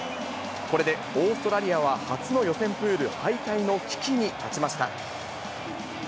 これでオーストラリアは初の予選プール敗退の危機に立ちました。